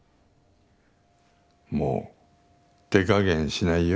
もう手加減しないよ。